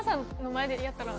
でやったら。